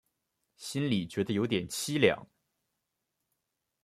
心里觉得有点凄凉